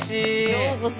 ようこそ。